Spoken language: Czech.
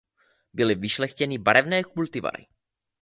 Byly vyšlechtěny barevné kultivary.